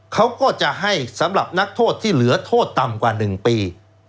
เขาก็จะให้สำหรับนักโทษที่เหลือโทษต่ำกว่า๑ปี